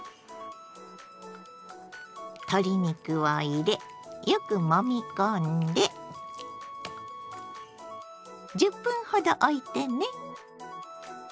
鶏肉を入れよくもみ込んで１０分ほどおいてね。